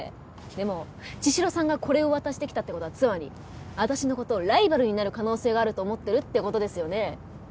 でも茅代さんがこれを渡してきたって事はつまり私の事をライバルになる可能性があると思ってるって事ですよね？